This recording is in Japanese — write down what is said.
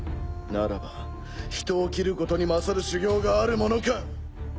ならば人を斬ることに勝る修業があるものか。